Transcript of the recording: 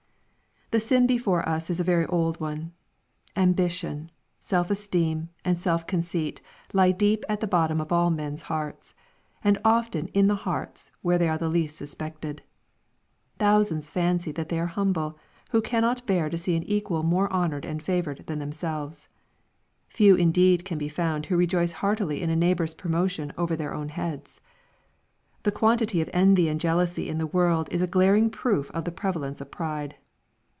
The sin before us is a very old one. Ambition, self esteem, and self conceit lie deep at the bottom of all men's hearts, and often in the hearts where they are least suspected. Thousands fancy that they are humble, who cannot bear to see an equal more honored and favored than themselves. Few indeed can be found who rejoice heartily in a neighbor's promotion over their own heads. The quantity of envy and jealousy in the world is a glaring proof of the prevalence of pride.